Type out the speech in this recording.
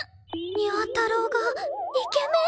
にゃ太郎がイケメン？